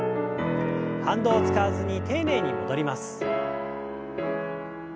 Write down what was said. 反動を使わずに丁寧に戻ります。